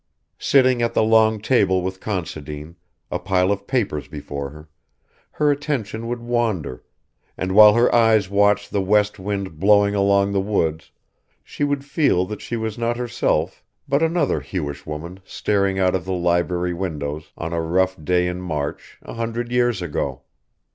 Sitting at the long table with Considine, a pile of papers before her, her attention would wander, and while her eyes watched the west wind blowing along the woods she would feel that she was not herself but another Hewish woman staring out of the library windows on a rough day in March a hundred years ago.